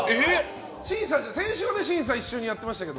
先週は審査を一緒にやってましたけど。